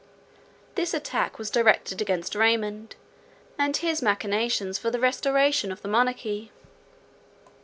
This attack was directed against Raymond and his machinations for the restoration of the monarchy.